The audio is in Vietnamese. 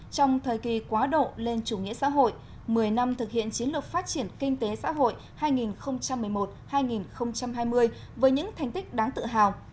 trong thời kỳ quá độ lên chủ nghĩa xã hội một mươi năm thực hiện chiến lược phát triển kinh tế xã hội hai nghìn một mươi một hai nghìn hai mươi với những thành tích đáng tự hào